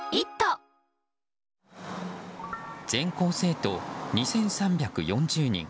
全校生徒２３４０人。